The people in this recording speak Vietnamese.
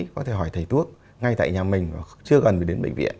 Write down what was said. có thể hỏi thầy thuốc ngay tại nhà mình chưa cần đến bệnh viện